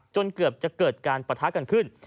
เกือบจะเกิดการปะทะกันขึ้น